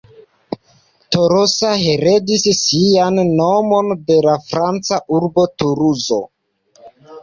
Tolosa heredis sian nomon de la franca urbo Tuluzo.